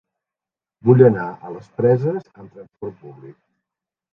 Vull anar a les Preses amb trasport públic.